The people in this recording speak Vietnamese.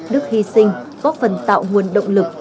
nước hy sinh góp phần tạo nguồn động lực